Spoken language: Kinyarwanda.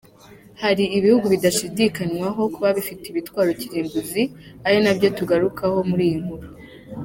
Hari ibihugu bidashidikanywaho kuba bifite ibitwaro kirimbuzi, ari nabyo tugarukaho muri iyi nkuru.